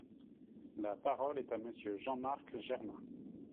La parole est à Monsieur Jean-Marc Germain.